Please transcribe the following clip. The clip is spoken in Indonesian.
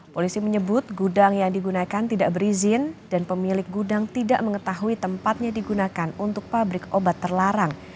polisi menyebut gudang yang digunakan tidak berizin dan pemilik gudang tidak mengetahui tempatnya digunakan untuk pabrik obat terlarang